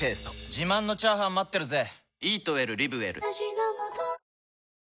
自慢のチャーハン待ってるぜ！